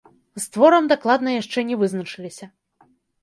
З творам дакладна яшчэ не вызначыліся.